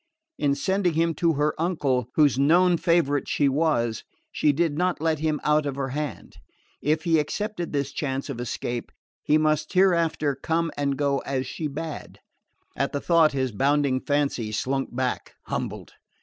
In sending him to her uncle, whose known favourite she was, she did not let him out of her hand. If he accepted this chance of escape he must hereafter come and go as she bade. At the thought, his bounding fancy slunk back humbled.